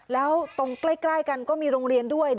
แล้วตรงใกล้กันก็มีโรงเรียนด้วย